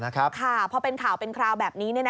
ค่ะพอเป็นข่าวเป็นคราวแบบนี้